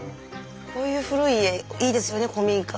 こういう古い家いいですよね古民家。